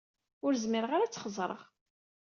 Ur zmireɣ ara ad tt-xezzṛeɣ.